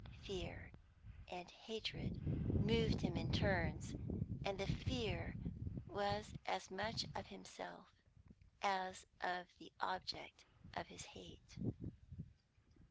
Fear and hatred moved him in turns, and the fear was as much of himself as of the object of his hate.